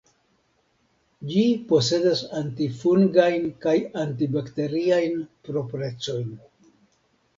Ĝi posedas antifungajn kaj antibakteriajn proprecojn.